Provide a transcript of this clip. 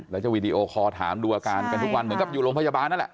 แล้วจะวีดีโอคอลถามดูอาการกันทุกวันเหมือนกับอยู่โรงพยาบาลนั่นแหละ